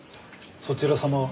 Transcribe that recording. そちら様は？